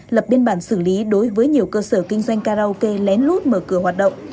lập biên bản xử lý đối với nhiều cơ sở kinh doanh karaoke lén lút mở cửa hoạt động